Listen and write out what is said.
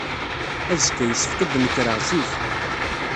Azekka, yessefk ad nekreɣ zik.